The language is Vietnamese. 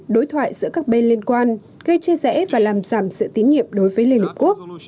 đối thoại giữa các bên liên quan gây chia rẽ và làm giảm sự tín nhiệm đối với liên hợp quốc